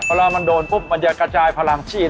เวลามันโดนปุ๊บมันจะกระจายพลังชีพ